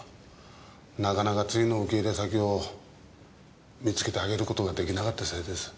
なかなか次の受け入れ先を見つけてあげることが出来なかったせいです。